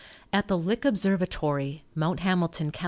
At the Lick Observatory (Mt. Hamilton, Cal.)